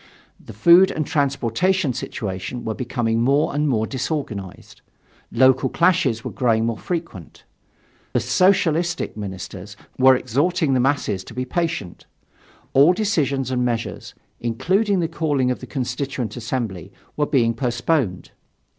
The food and transportation situations were becoming more and more disorganized. Local clashes were growing more frequent. The "Socialistic" ministers were exhorting the masses to be patient. All decisions and measures, including the calling of the Constituent Assembly, were being postponed.